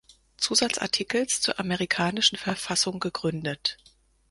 Zusatzartikels zur amerikanischen Verfassung gegründet.